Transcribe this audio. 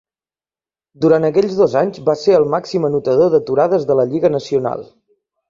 Durant aquells dos anys va ser el màxim anotador d'aturades de la lliga nacional.